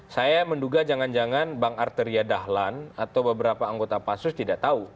saya menduga jangan jangan bang arteria dahlan atau beberapa anggota pansus tidak tahu